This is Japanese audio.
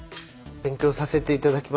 勉強させて頂きます。